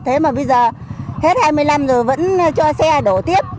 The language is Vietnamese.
thế mà bây giờ hết hai mươi năm giờ vẫn cho xe đổ tiếp